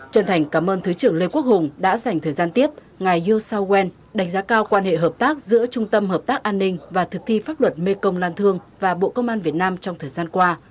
chân thành cảm ơn thứ trưởng lê quốc hùng đã dành thời gian tiếp ngài yo sao wen đánh giá cao quan hệ hợp tác giữa trung tâm hợp tác an ninh và thực thi pháp luật mê công lan thương và bộ công an việt nam trong thời gian qua